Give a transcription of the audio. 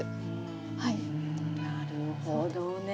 なるほどね。